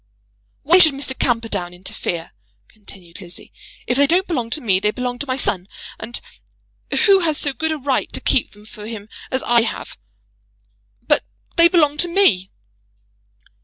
"Why should Mr. Camperdown interfere?" continued Lizzie. "If they don't belong to me, they belong to my son; and who has so good a right to keep them for him as I have? But they belong to me."